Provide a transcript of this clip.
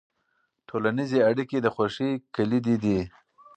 ټولنیزې اړیکې د خوښۍ کلیدي دي.